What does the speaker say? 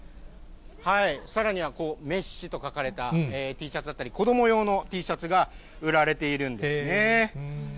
さらには、メッシと書かれたＴシャツだったり、子ども用のＴシャツが売られているんですね。